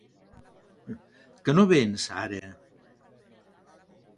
Que no véns, ara?